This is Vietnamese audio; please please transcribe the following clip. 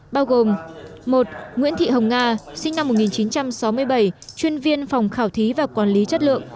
bao gồm một nguyễn thị hồng nga sinh năm một nghìn chín trăm sáu mươi bảy chuyên viên phòng khảo thí và quản lý chất lượng